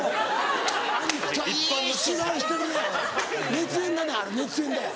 「熱演だねあれ熱演だよ」。